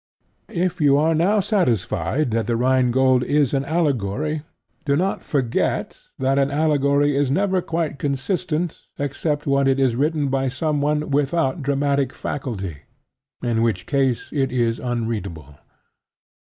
If you are now satisfied that The Rhine Gold is an allegory, do not forget that an allegory is never quite consistent except when it is written by someone without dramatic faculty, in which case it is unreadable.